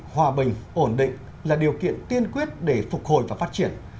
hòa bình ổn định là điều kiện tiên quyết để phục hồi và phát triển